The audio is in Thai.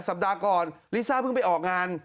สัปดาห์ก่อนลิซ่าเพิ่งไปออกงาน